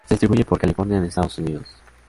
Se distribuye por California en Estados Unidos.